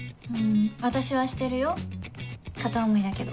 私はしてるよ片思いだけど。